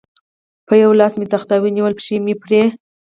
په یوه لاس مې تخته ونیول، پښې مې پرې.